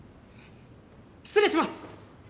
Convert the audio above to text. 失礼します！